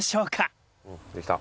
できた。